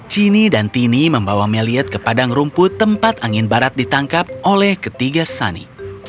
cinie dan tini membawa meliad ke padang rumput tempat angin barat ditangkap oleh ketiga sani